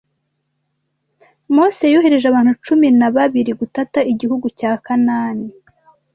Mose yohereje abantu cumin a babiri gutata igihugu cya Kanaani